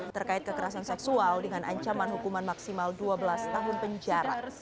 terkait kekerasan seksual dengan ancaman hukuman maksimal dua belas tahun penjara